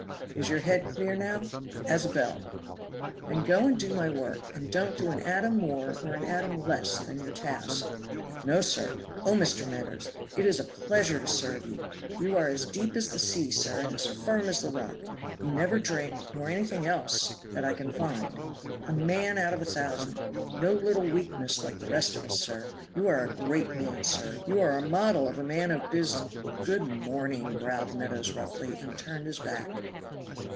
"Is your head clear now?" "As a bell." "Then go and do my work, and don't do an atom more or an atom less than your task." "No, sir. Oh, Mr. Meadows! it is a pleasure to serve you. You are as deep as the sea, sir, and as firm as the rock. You never drink, nor anything else, that I can find. A man out of a thousand! No little weakness, like the rest of us, sir. You are a great man, sir. You are a model of a man of bus " "Good morning," growled Meadows roughly, and turned his back.